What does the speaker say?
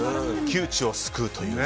窮地を救うという。